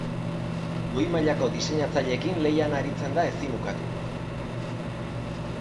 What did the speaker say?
Goi mailako diseinatzaileekin lehian aritzen da ezin ukatu.